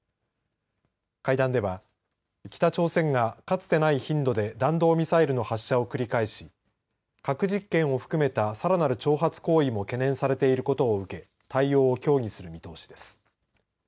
会談では北朝鮮がかつてない頻度で弾道ミサイルの発射を繰り返し核実験を含めた、さらなる挑発行為も懸念されることを受け対応を協議する見通しです。